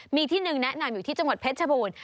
มีที่หนึ่งแนะนำอยู่ที่จังหวัดเพชรชบูรณ์